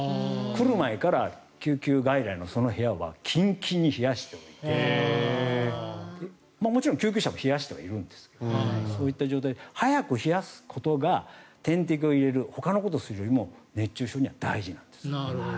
来る前から救急外来のその部屋はキンキンに冷やしておいてもちろん救急車も冷やしてはいるんですがそういった状態で早く冷やすことが、点滴を入れるほかのことをするよりも熱中症には大事なんです。